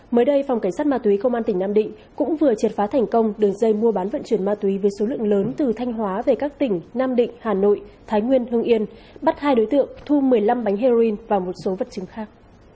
mới đây phòng cảnh sát ma túy công an tỉnh nam định cũng vừa triệt phá thành công đường dây mua bán vận chuyển ma túy với số lượng lớn từ thanh hóa về các tỉnh nam định hà nội thái nguyên hương yên bắt hai đối tượng thu một mươi năm bánh heroin và một số vật chứng khác